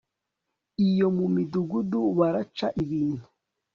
iyo mu midugudu baraca ibintu